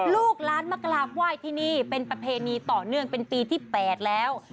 ลูกล้านมากราบไหว้ที่นี่เป็นประเพณีต่อเนื่องเป็นปีที่๘แล้ว